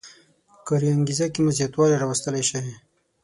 کاري انګېزه کې مو زیاتوالی راوستلی شي.